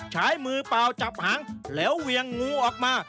ใช้มือเปล่าจับหางแล้วเวียงงูออกมา